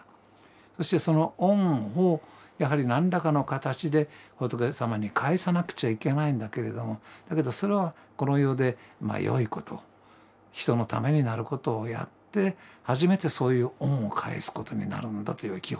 そしてその恩をやはり何らかの形で仏様に返さなくちゃいけないんだけれどもだけどそれはこの世で良いこと人のためになることをやって初めてそういう恩を返すことになるんだという基本的な考え方ですよ。